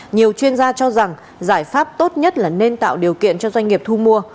nhiều chuyên gia cho rằng giải pháp tốt nhất là nên tạo điều kiện cho doanh nghiệp thu mua